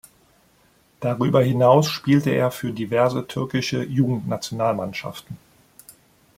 Darüber hinaus spielte er für diverse türkische Jugendnationalmannschaften.